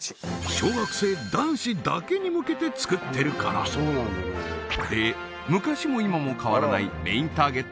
小学生男子だけに向けて作ってるからで昔も今も変わらないメインターゲット